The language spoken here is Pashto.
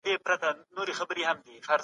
که نړيوال سازمانونه نه وي ګډوډي رامنځته کېږي.